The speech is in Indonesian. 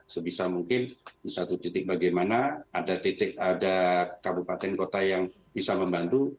sebisa mungkin di satu titik bagaimana ada titik ada kabupaten kota yang bisa membantu